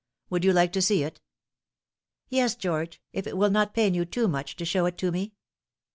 Would you like to see it ?"" Yes, George, if it will not pain you too much to show it to me."